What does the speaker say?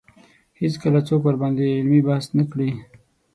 هېڅکله څوک ورباندې علمي بحث نه کړي